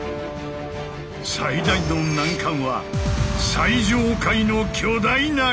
最大の難関は最上階の巨大な壁。